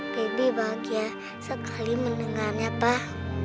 pebi bahagia sekali mendengarnya pak